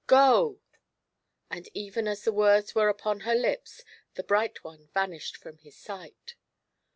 Go!" And even as the words were upon her lips, the bright one vanished from his sight.